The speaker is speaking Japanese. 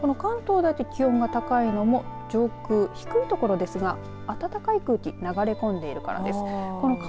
関東だけ気温が高いのも上空、低い所ですが暖かい空気が流れ込んでいるからです。